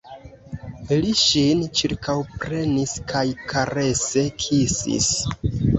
Li ŝin ĉirkaŭprenis kaj karese kisis.